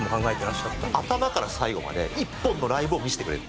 頭から最後まで１本のライブを見せてくれる。